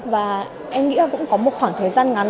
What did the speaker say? và em nghĩ là cũng có một khoảng thời gian ngắn